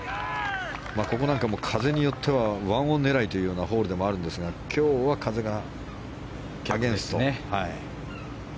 ここなんかも風によっては１オン狙いというホールでもあるんですが今日は風がアゲンスト。